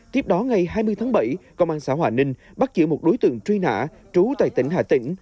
tiếp đó ngày hai mươi tháng bảy công an xã hòa ninh bắt giữ một đối tượng truy nã trú tại tỉnh hà tĩnh